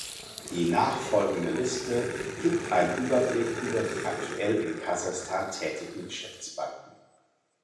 Die nachfolgende Liste gibt einen Überblick über die aktuell in Kasachstan tätigen Geschäftsbanken.